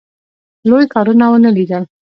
لوی ښارونه ونه لیدل.